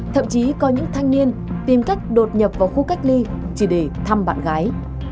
thậm chí có những thanh niên tìm cách đột nhập vào khu cách ly chỉ để thăm bạn gái